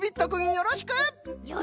よろしく！